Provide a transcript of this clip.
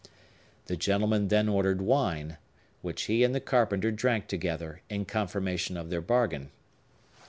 The gentleman then ordered wine, which he and the carpenter drank together, in confirmation of their bargain.